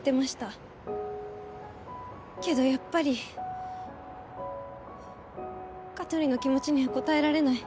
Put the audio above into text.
けどやっぱり香取の気持ちには応えられない。